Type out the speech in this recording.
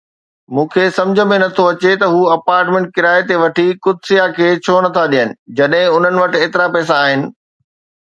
مون کي سمجهه ۾ نه ٿو اچي ته هو اپارٽمنٽ ڪرائي تي وٺي قدسيه کي ڇو نٿا ڏين جڏهن انهن وٽ ايترا پئسا آهن.